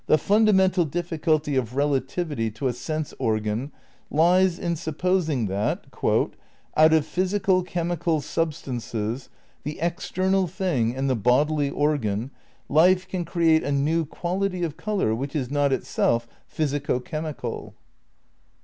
The "fundamental difficulty" of relativity to a sense organ lies in supposing that ... "out of physico chemical substances, the external thing and the bodily organ, life can create a new quality of colour which is not itself physico chemical."